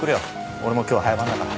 俺も今日早番だから。